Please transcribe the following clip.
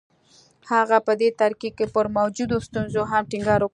هغه په دې ترکيب کې پر موجودو ستونزو هم ټينګار وکړ.